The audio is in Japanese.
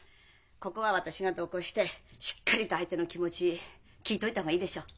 ここは私が同行してしっかりと相手の気持ち聞いといた方がいいでしょう。